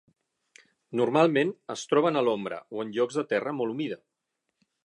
Normalment es troben a l'ombra o en llocs de terra molt humida.